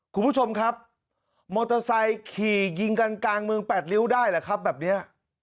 คุณผู้ชมครับมอเตอร์ไซค์ขี่ยิงกันกลางเมืองแปดริ้วได้หรือครับแบบนี้